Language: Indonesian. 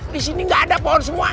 disini ga ada pohon semua